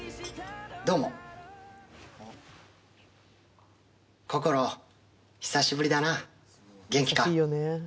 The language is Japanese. どうも、こころ、久しぶりだな、元気か。